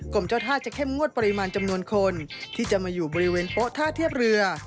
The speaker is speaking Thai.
เจ้าท่าจะเข้มงวดปริมาณจำนวนคนที่จะมาอยู่บริเวณโป๊ท่าเทียบเรือ